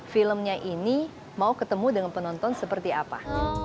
filmnya ini mau ketemu dengan penonton seperti apa